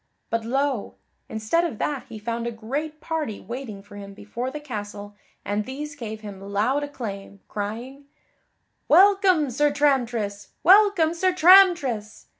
But lo! instead of that he found a great party waiting for him before the castle and these gave him loud acclaim, crying, "Welcome, Sir Tramtris! Welcome, Sir Tramtris!"